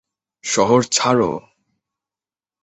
শহর ছাড়ো!